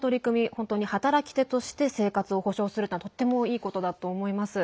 本当に働き手として生活を保障するのとってもいいことだと思います。